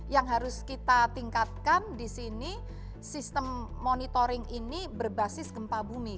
yang harus kita tingkatkan di sini sistem monitoring ini berbasis gempa bumi